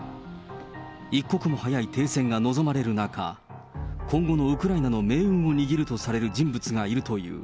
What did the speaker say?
一刻も早い停戦が望まれる中、今後のウクライナの命運を握るとされる人物がいるという。